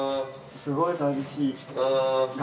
すごい寂しい。